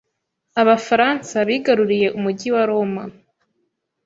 Abafaransa bigaruriye umujyi wa Roma,